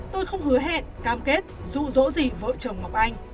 tôi không hứa hẹn cam kết rụ rỗ gì vợ chồng ngọc anh